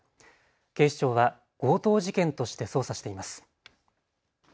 警視庁は強盗事件として捜査しています。